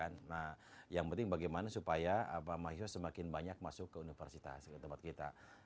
nah yang penting bagaimana supaya mahasiswa semakin banyak masuk ke universitas ke tempat kita